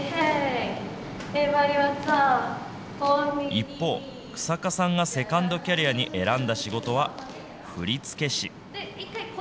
一方、日下さんがセカンドキャリアに選んだ仕事は、振り付け師。